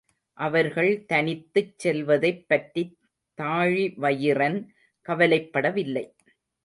அவர்கள் தனித்துச் செல்வதைப்பற்றித் தாழிவயிறன் கவலைப்படவில்லை.